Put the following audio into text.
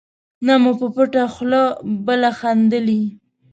نه مو په پټه خوله بله خندلي.